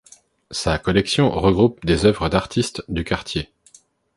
Sa collection regroupe des œuvres d'artistes du quartier.